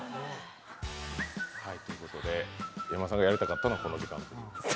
ということで、山田さんがやりたかったのはこの時間。